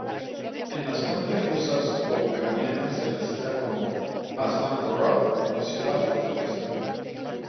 En las fuentes rusas o ucranianas se la cita como "Aslan-Gorod" o "ciudad fortaleza".